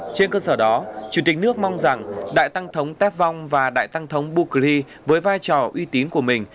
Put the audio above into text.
trên cơ sở đó chủ tịch nước mong rằng đại tăng thống tep vong và đại tăng thống bukri với vai trò uy tín của mình